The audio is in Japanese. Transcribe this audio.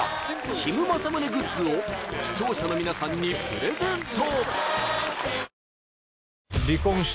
ヒム政宗グッズを視聴者の皆さんにプレゼント！